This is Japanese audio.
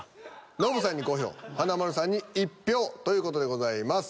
ノブさんに５票華丸さんに１票という事でございます。